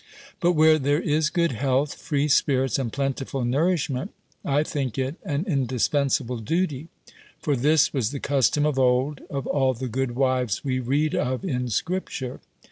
But where there is good health, free spirits, and plentiful nourishment, I think it an indispensable duty. For this was the custom of old, of all the good wives we read of in Scripture.